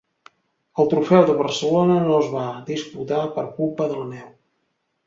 El trofeu de Barcelona no es va disputar per culpa de la neu.